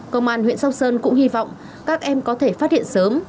công an huyện sóc sơn cũng hy vọng các em có thể phát hiện sớm